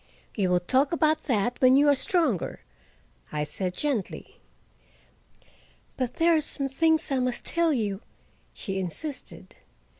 "We will talk about that when you are stronger," I said gently. "But there are some things I must tell you," she insisted.